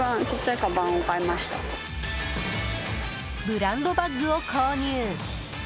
ブランドバッグを購入。